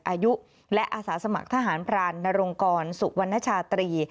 อายุและอาสาสมัครทหารพรานนรงกรสุวรรณชาตรี